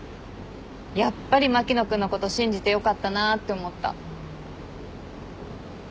やっぱり牧野君のこと信じてよかったなって思った。